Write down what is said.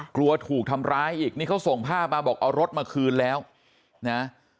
กลัวถูกทำร้ายอีกนี่เขาส่งภาพมาบอกเอารถมาคืนแล้วนะ